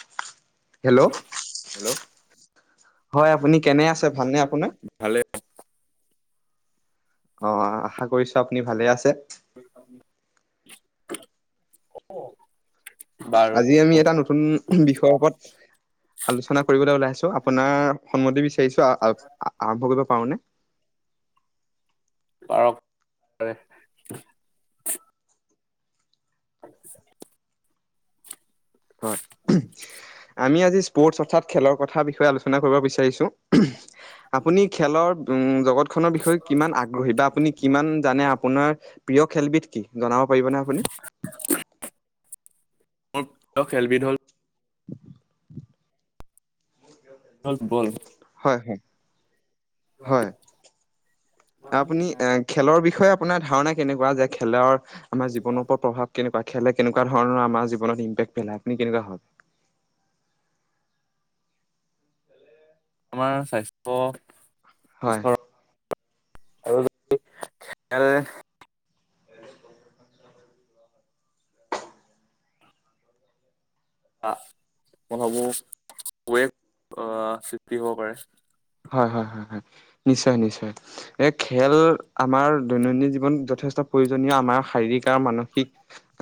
[inaudible] Hello! Hello হয় আপুনি কেনে আছে ভালনে আপোনাৰ? ভালে। অ আশা কৰিছো আপুনি ভালে আছে। অ আজি আমি এটা নতুন বিষয়ৰ ওপৰত আলোচনা কৰিবলৈ ওলাই আছো। আপোনাৰ সন্মতি বিচাৰিছো আৰম্ভ কৰিব পাৰো নে? পাৰ'। [inaudible] [inaudible] আমি আজি স্পৰ্টছ অৰ্থাৎ খেলৰ কথা বিষয়ে আলোচনা কৰিব বিচাৰিছো। আপুনি খেলৰ উম জগত খনৰ বিষয়ে কিমান আগ্ৰহী বা আপুনি কিমান জানে আপোনাৰ, প্ৰিয় খেলবিধ কি জনাব পাৰিব নে আপুনি? মোৰ প্ৰিয় খেলবিধ হ'ল [inaudible] ফুটবল হয় হয় হয় আপুনি এক খেলৰ বিষয়ে আপোনাৰ ধাৰণা কেনেকুৱা? যে খেলৰ আমাৰ জীৱনৰ ওপৰত প্ৰভাৱ কেনেকুৱা খেলে, কেনেকুৱা ধৰণৰ আমাৰ জীৱনত ইমপেক্ট পেলাই, মানে কেনেকুৱা হয়? তোমাৰ স্বাস্থ্য হয় [unintelligible] আৰু যদি খেলে অ মই ভাবোঁ সমূহ ওৱেভ অ' সৃষ্টি হ'ব পাৰে। হয় হয় হয় হয় নিশ্চয় নিশ্চয়, এই খেল আমাৰ দৈনন্দিন জীৱন যথেষ্ট প্ৰয়োজনীয় আমাৰ শাৰীৰিক আৰু মানসিক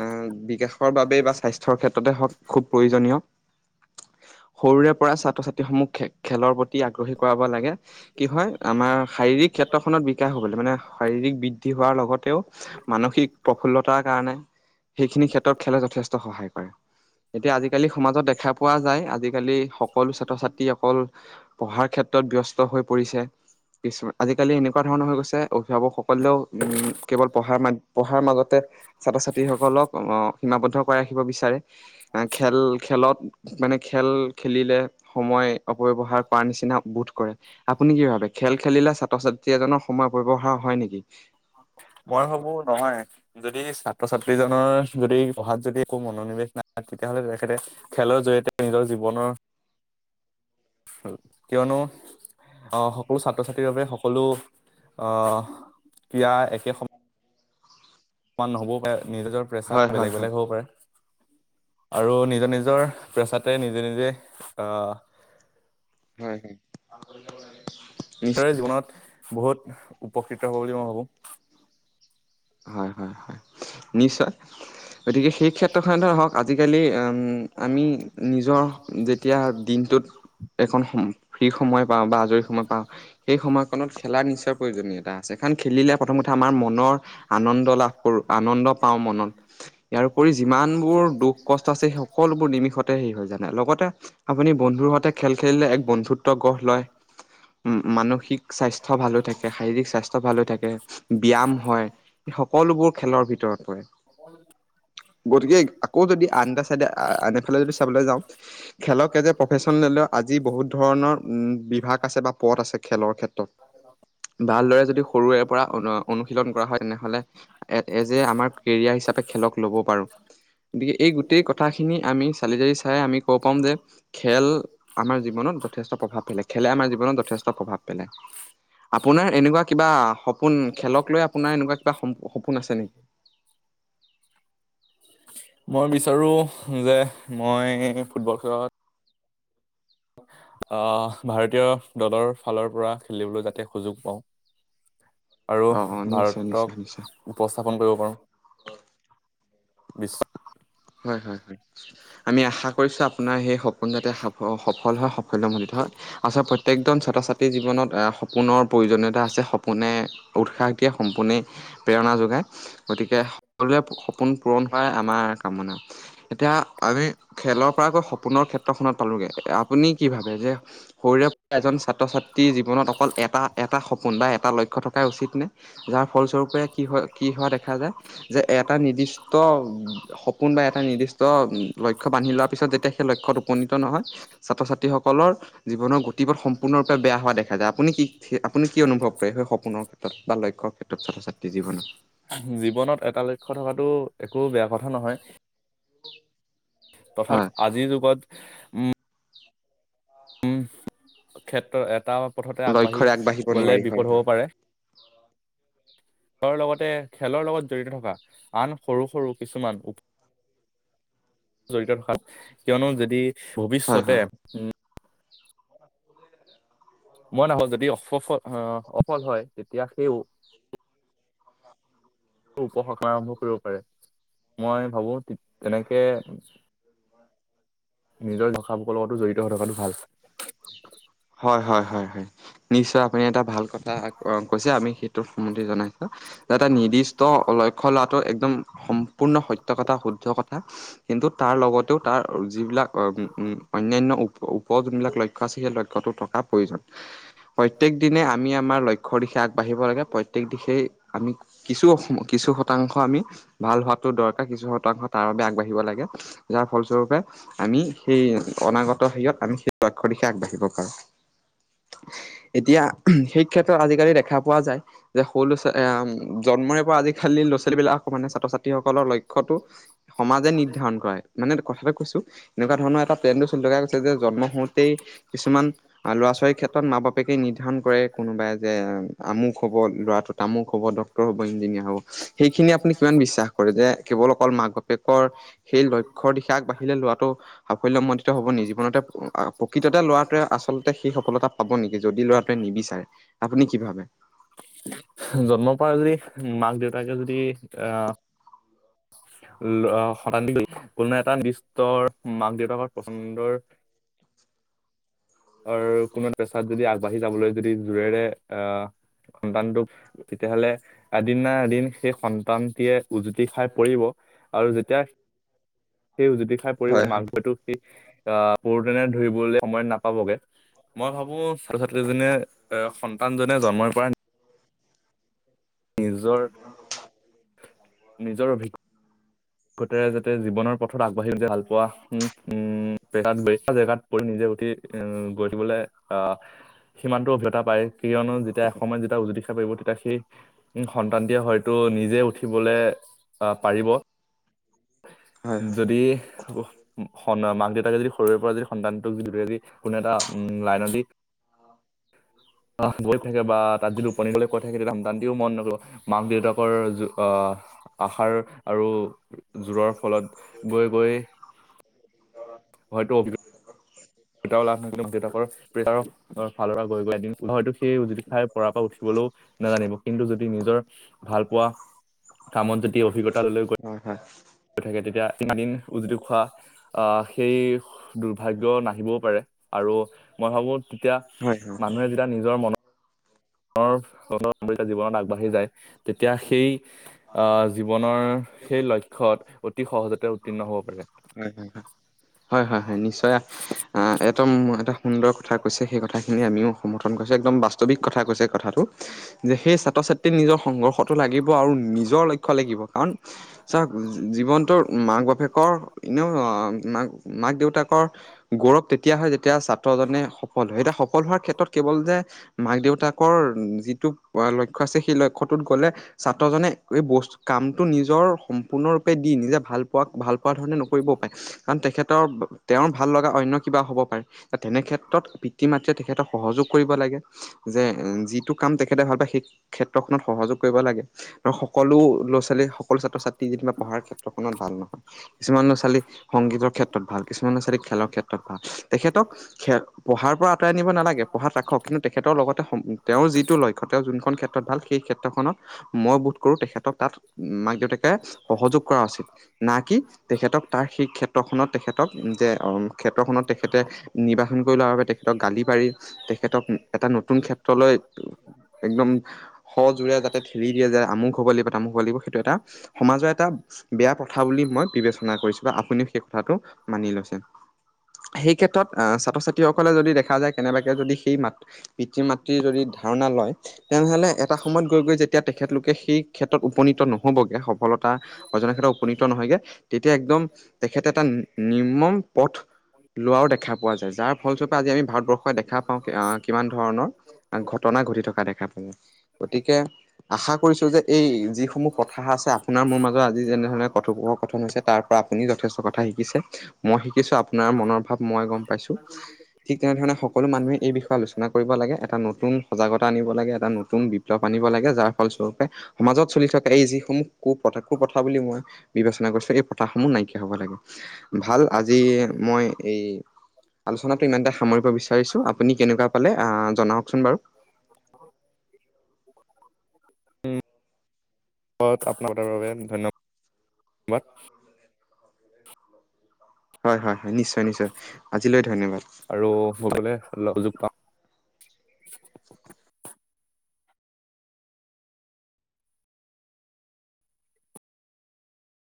উম বিকাশৰ বাবেই বা স্বাস্থ্যৰ ক্ষেত্ৰতে হওঁক খুব প্ৰয়োজনীয় সৰুৰে পৰা ছাত্ৰ ছাত্ৰীসমূহ খে খেলৰ প্ৰতি আগ্ৰহী কৰাব লাগে, কি হয় আমাৰ শাৰীৰিক ক্ষেত্ৰখনত বি কাশ হবলৈ মানে, শাৰীৰিক বৃদ্ধি হোৱাৰ লগতেও, মানসিক প্ৰফুল্লতাৰ কাৰণে সেইখিনি ক্ষেত্ৰত খেলে যথেষ্ট সহায় কৰে। এতিয়া আজিকালি সমাজত দেখা পোৱা যায়। আজিকালি সকলো ছাত্ৰ ছাত্ৰী অকল পঢ়াৰ ক্ষে ত্ৰত ব্যস্ত হৈ পৰিছে কিছুমান আজিকালি এনেকুৱা ধৰণৰ হৈ গৈছে। অভিভাৱক সকলেও উম কেৱল পঢ়াৰ মা পঢ়াৰ মাজতে ছাত্ৰ ছাত্ৰীসকলক অহ সীমাবদ্ধ কৰাই ৰাখিব বিচাৰে। বা খেল খেলত মানে, খেল খেলিলে সময় অপব্যৱহাৰ কৰাৰ নিচিনা বোধ কৰে। আপুনি কি ভাবে? খেল খেলিলে ছাত্ৰ -ছাত্ৰী এজনৰ সময় অপব্য ব্যৱহাৰ হয় নিকি? মই ভাবোঁ নহয় যদি ছাত্ৰ-ছাত্ৰীজনৰ যদি পঢ়াত যদি একো মনোনিৱেশ নাই তেতিয়াহ'লে তেখেতে খেলৰ জৰিয়তে নিজৰ জীৱনৰ [inaudible] কিয়নো, অহ' সকলো ছাত্ৰ- ছাত্ৰীৰ বাবে সকলো অহ, পিয়া একে সম সমান নহ'বও পাৰে। নিজ নিজৰ প্ৰেছাৰ হয় হয় বেলেগ হয় বেলেগ হ'ব পাৰে। আৰু নিজৰ নিজৰ, পেছাতে নিজে নিজে আহ, হয়'। তাৰে নিশ্চয় জীৱনত বহুত উপকৃত হ'ব বুলি মই ভাবোঁ। হয়', হয়', হয়' নিশ্চয়, গতিকে সেই ক্ষেত্ৰখনেতে হওঁক আজিকালি আ-ম আমি, নিজৰ যেতিয়া দিনটোত এখন, ফ্ৰী সময় পাওঁ বা আজৰি সময় পাওঁ সেই সময়কণত খেলা নিশ্চয় প্ৰয়োজনীয়তা আছে কাৰণ খেলিলে প্ৰথম কথা আমাৰ মনৰ, আনন্দ লাভ কৰোঁ আনন্দ পাওঁ মনত ইয়াৰ উপৰি যিমানবোৰ দুখ-কষ্ট আছে। সেই সকলোবোৰ নিমিষতে শেষ হয় জানা লগতে আপুনি বন্ধুৰ সৈতে খেল-খেলিলে এক বন্ধুত্ব গঢ় লয় উম' মানসিক স্বাস্থ্য ভাল হৈ থাকে, শাৰীৰিক স্বাস্থ্য ভাল হৈ থাকে, ব্যায়াম হয়। সকলোবোৰ খেলৰ ভিতৰত পৰে। [unintelligible] গতিকে, আকৌ যদি আন এটা চাইডে আন এফালে যদি চাবলে যাওঁ খেলকে যে প্ৰফেচন লৈ লওঁ আজি বহুত ধৰণৰ উম বিভাগ আছে বা পথ আছে খেলৰ ক্ষেত্ [unintelligible] মানে এ এজে আমাৰ কেৰিয়াৰ হিচাপে খেলক ল'ব পাৰো বি এই গোটেই কথা কথাখিনি আমি চালি জালি চাই আমি ক'ব পাও যে খেল আমাৰ জীৱনত যথেষ্ট প্ৰভাৱ পেলাই খেলে আমাৰ জীৱনত যথেষ্ট প্ৰভাৱ পেলাই আপোনাৰ এনেকুৱা কিবা সপোন খেলক লৈ আপোনাৰ এনেকুৱা সপো সপোন আছে নি মই বিচাৰো যে মই ফুটবল খেলত আহ ভাৰতীয় দলৰ ফালৰ পৰা খেলিবলৈ যাতে সুযোগ পাওঁ [inaudible] আৰু অ', অ', নিশ্চয় নিশ্চয় নিশ্চয় ভাৰতক উপস্থাপন কৰিব পাৰোঁ বিশ্বত হয় হয় হয় আমি আশা কৰিছো আপোনাৰ সেই সপোন যাতে সাফ সফল হয় সাফল্যমন্দিত হয়। আচা প্ৰত্যেকজন ছাত্ৰ ছাত্ৰী জীৱনত আ সপোনৰ প্ৰয়োজনীয়তা আছে সপোনে উৎসাহ দিয়ে সম্পূৰ্ণেই প্ৰেৰণা যোগায় গতিকে সকলোৱে সপোন পূৰণ হয় আমাৰ কামনা এতিয়া আমি খেলৰ পৰাক সপোনৰ ক্ষেত্ ত্ৰখনত পালোঁগে আপুনি কি ভাবে যে সৰুৰে পৰা এজন ছাত্ৰ ছাত্ ত্ৰীৰ জীৱনত অকল এটা এটা সপোন বা এটা লক্ষ্য থকাই উচিত নে যাৰ ফলস্বৰূপ পে কি হয় কি হোৱা দেখা যায় যে এটা নিৰ্দিষ্ট সপ এটা নিৰ্দিষ্ট লক্ষ্য বান্ধি লোৱা পিছত যেতিয়া সেই লক্ষ্যত উপনীত নহয় ছাত্ৰ ছাত্ৰীসকলৰ জীৱনৰ গতিপথ সম্পূৰ্ণৰূপে বেয়া হোৱা দেখা যায় আপুনি কি আপুনি কি অনুভৱ কৰে সেই সপোনক তাত বা লক্ষ্যৰ ক্ষেত্ৰত ছাত্ৰ ছাত্ৰীৰ জীৱনত জীৱনত এটা লক্ষ্য থকাটো একো বেয়া কথা নহয়। তথাপি হয় আজিৰ যুগত উ উম ক্ষেত্ৰত এটা পথতে আগবাঢ়ি লক্ষ্যৰে আগবাঢ়িব গ'লে নোৱাৰি হয় বিপদ হয় হ'ব পাৰে। ধৰ লগতে খেলৰ লগত জড়িত থকা আন সৰু সৰু কিছুমান উ জড়িত ৰখাত কিয়নো যদি ভৱিষ্যতে উম [unintelligible] মই নহ'ল যদি অসফল অহ অফল হয় তেতিয়া সেইও উপভাষা আৰম্ভ কৰিব পাৰে মই ভাবো তে তেনেকে নিজৰ ভাষাভোষৰ লগতো জড়িত হৈ থকাটো ভাল। হয় হয় হয় হয় নিশ্চয় আপুনি এটা ভাল কথা‌ আ কৈছে আমি সেই সেইটো সন্মতি জনাইছো এটা নিৰ্দিষ্ট লক্ষ্য লাভ ত একদম সম্পূৰ্ণ সত্য কথা শুদ্ধ কথা কিন্তু তাৰ লগতেও তাৰ যিবিলাক উ অন্যান্য ওপ ওপৰৰ যোনবিলাক লক্ষ্য আছে সেই লক্ষ্যটো থকা প্ৰয়োজন প্ৰত্যেক দিনে আমি আমাৰ লক্ষ্যৰ দিশে আগবাঢ়িব লাগে প্ৰত্যেক দিশেই আমি কিছু কিছু শতাংশ আমি ভাল হোৱাতো দৰকাৰ কিছু শতাংশ তাৰ বাবে আগবাঢ়িব লাগে। যাৰ ফলস্বৰূপে আমি সেই অনাগত হেৰিয়ত আমি সেই ল ক্ষ্যৰ দিশে আগবাঢ়িব পাৰো। এতিয়া সেই ক্ষেত্ৰত আজিকালি দেখা পোৱা যায় যে সৰু ল'ৰা ছোৱা এয়া জন্মৰে পৰা আজি কালিৰ ল'ৰা ছোৱালীবিলাক মানে ছাত্ৰ ছাত্ৰী সকলৰ লক্ষ্যটো সমাজে নিৰ্ধাৰণ কৰাই মানে কথাটো কৈছো এনেকোৱা ধৰণৰ এটা প্লেনটো চলি থকা গৈছে যে জন্ম হও কিছুমান ল'ৰা ছোৱালীৰ ক্ষেত্ৰত মা বাপেকে নিৰ্ধাৰণ কৰে কোনোবাই যে আমুক হ'ব ল'ৰাটো তামুক হ'ব ডক্তৰ হ'ব ইঞ্জিনিয়াৰ হ'ব সেইখিনি আপুনি কিমান বিশ্বাস কৰে যে কেৱল অকল মাক বাপেকৰ সেই লক্ষ্যৰ দিশে আগবাঢ়িলে ল'ৰাটো সাফল্যমণ্ডিত হ'ব নি জীৱনতে দ্বিতীয়তে লৰাটোৱে আচলতে সেই সফলতা পাব নেকি যদি ল'ৰাটোৱে নিবিচাৰে আপুনি কি ভাবে? জন্মৰ পৰা যদি মাক দেউতাকে যদি আহ ল শতাধিক কোনো এটা নিৰ্দিষ্টৰ মাক দেউতাকৰ পছন্দৰ আৰু কোনো পেচাত যদি আগবাঢ়ি যাবলৈ যদি জোৰেৰে অহ সন্তানটোক তেতিয়াহ'লে এদিন না এদিন সেই সন্তানটিয়ে উজুতি খাই পৰিব। আৰু যেতিয়া সেই উজুতি খাই পৰিব হয় হয়। মাছটোতো সি আ পৰি কিনে ধৰিবলৈ সময়ত না পাবগে মই ভাবো ছাত্ৰ-ছাত্ৰীজনে এ সন্তান জনে জন্মৰে পৰা নিজৰ নিজৰ অভি [inaudible] জ্ঞতা যাতে জীৱনৰ পথত আগবাঢ়ি ভাল পোৱা উ উ মেটাত বেছি জেগাত পৰি নিজে উঠি উ গৈ উঠিবলৈ অহ সিমানটো অভিজ্ঞতা পায়। কিয়নো যেতিয়া এসময়ত যেতিয়া উজুতি খাই পৰিব তেতিয়া সেই উ সন্তানটিয়ে হয়তো নি জে উঠিবলে আহ পাৰিব হয় হয় যদি উ মাক দেউতাকে যদি সৰুৰে পৰা যদি সন্তানটোক যি দৰে যদি কোনো এটা উম লাইনত দি অ সেইটো হয় আহ গৈ থাকে বা তাত যি টোপনি গলে কৈ থাকে তেতিয়া সন্তানটিও মন নকৰিব মাক দেউতাকৰ যো আহ আহাৰ আৰু জোৰৰ ফলত গৈ, গৈ- [inaudible] হয়তো [unintelligible] দেউতাও লাভ নছিলে, দেউতাকৰ প্ৰেটাৰক অ ফালৰ পৰা গৈ, গৈ এদিন হয়তো সেই উজুতি খায় পৰাৰ পাও উঠিবলৈও নাজানিব কিন্তু যদি নিজৰ ভাল পোৱা কামত যতি অভিজ্ঞতা লৈ গৈ হয় থাকে তেতিয়া ইমানদিন উজুতি খোৱা আহ সেই দুৰ্ভাগ্য না নাহিবও পাৰে, আৰু মই ভাবো তেতিয়া হয় হয় হয় মানুহে যেতিয়া নিজৰ মনৰ [unintelligible] জীৱনত আগবাঢ়ি যায় তেতিয়া সেই অহ জীৱনৰ সেই লক্ষ্যত অতি সহজতে উত্তীৰ্ণ হ'ব পাৰে। হয়, হয়, হয়, হয়, হয়, হয় নিশ্চয়। আহ একদম এটা সুন্দৰ কথা কৈছে। সেই কথাখিনি আমিও সমৰ্থন কৰিছো। একদম বাস্তৱিক কথা কৈছে কথাটো। যে সেই ছাত্ৰ- ছাত্ৰীৰ নিজৰ সংঘৰ্ষটো লাগিব আৰু নিজৰ লক্ষ্য লাগিব কাৰণ চাওক জীৱনটোৰ মাক বাপেকৰ এনেও মাক- মাক দেউতাকৰ গৌৰৱ তেতিয়া হয় যেতিয়া ছাত্ৰজনে সফল হয়। এতিয়া সফল হোৱাৰ ক্ষেত্ৰত কেৱল যে মাক -দেউতাকৰ যিটো লক্ষ্য আছে সেই লক্ষ্যটোত গ'লে ছাত্ৰ জনে এই বস্তু কামটো নিজৰ সম্পূৰ্ণৰূপে দি নিজে ভাল পোৱা ভাল পোৱা ধৰণে নকৰিবও পাৰে, কাৰণ তেখেতৰ তেওঁৰ ভাল লগা অন্য কিবা হ'ব পাৰে। তেনেক্ষেত্ৰত পিতৃ -মাতৃয়ে তেখেতক সহযোগ কৰিব লাগে। যে যিটো কাম তেখেতে ভাল পায় সেই ক্ষেত্ৰখনত সহযোগ কৰিব লাগে, ধৰ সকলো ল'ৰা -ছোৱালী সকলো ছাত্ৰ -ছাত্ৰী [inaudible] পঢ়াৰ ক্ষেত্ৰখনত ভাল নহয়, কিছুমান ছোৱালী সংগীতৰ ক্ষেত্ৰত ভাল, কিছুমান ল'ৰা-ছোৱালী খেলৰ ক্ষেত্ৰত ভাল, তেখেতক খে, পঢ়াৰ পৰা আঁতৰাই নিব নালাগে পঢ়াত ৰাখক কিন্তু তেখেতৰ লগতে তেওঁৰ যিটো লক্ষ্য তেওঁৰ যোন খন ক্ষেত্ৰত ভাল সেই ক্ষেত্ৰখনত মই বোধ কৰো তেখেতক তাত মাক-দেউতাকে সহযোগ কৰা উচিত, না কি তেখেতক তাৰ সেই ক্ষেত্ৰখনত তেখেতক যে ক্ষেত্ৰখনত তেখেতে নিৰ্বাহন কৰি লোৱা বাবে তেখেতক গালি পাৰি তেখেতক এটা নতুন ক্ষেত্ৰলৈ একদম সজোৰে যাতে থেলি দিয়া যায় আমুক হ'ব লাগিব তামুক হ'ব লাগিব সেইটো এটা সমাজৰ এটা বেয়া প্ৰথা বুলি মই বিবেচনা কৰিছো। আপুনিও সেই কথাটো মানি লৈছে, সেই ক্ষেত্ৰত অঁ ছাত্ৰ ছাত্ৰী ত্ৰী সকলে যদি দেখা যায় কেনেবাকে যদি সেই মাতৃ পিতৃ -মাতৃৰ যদি ধাৰণা লয় তেনেহলে এটা সময়ত গৈ, গৈ যেতিয়া তেখেতলোকে সেই ক্ষেত্ৰত উপনীত নহবগে সফলতা অজনা ক্ষেত্ৰত উপনীত নহয়গে তেতিয়া একদম তেখেতে এটা নিৰ্মম পথ লোৱাও দেখা পোৱা যায়। যাৰ ফলস্বৰূপে আজি আমি ভাৰতবৰ্ষ দেখা আহ কিমান ধৰণৰ ঘটনা ঘটি থকা দেখা পাওঁ, গতিকে আশা কৰিছোঁ যে এই যিসমূহ কথা আছে আপোনাৰ মোৰ মাজত আজি যেনেধৰণে কথোপককথন হৈছে তাৰ পৰা আপুনি যথেষ্ট কথা শিকিছে, মই শিকিছোঁ আপোনাৰ মনৰ ভাৱ মই গম পাইছোঁ, ঠিক তেনেধৰণে সকলো মানুহে এই বিষয়ে আলোচনা আলোচনা কৰিব লাগে, এটা নতুন সজাগতা আনিব লাগে এটা নতুন বিপ্লৱ আনিব লাগে যাৰ ফলস্বৰূপে সমাজত চলি থকা এই যিসমূহ কু প্ৰ কুপথা বুলি মই বিবেচনা কৰিছোঁ, এই প্ৰথাসমূহ নাইকিয়া হ'ব লাগে। ভাল আজি মই এই আলোচনাটো ইমানতে সামৰিব বিচাৰিছোঁ আপুনি কেনেকুৱা পালে আ জনাওঁকচোন বাৰু? [inaudible] উম ব আপোনাৰ [unintelligible] বাবে ধন্যবাদ। হয় হয় হয়, নিশ্চয় নিশ্চয়, আজিলৈ ধন্যবাদ। আৰু [unintelligible] লগ [unintelligible] পাম।